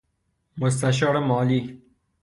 مستشارمالی